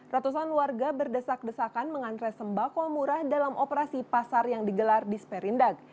ratusan warga berdesak desakan mengantre sembako murah dalam operasi pasar yang digelar di sperindak